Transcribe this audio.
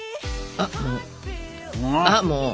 ああもう！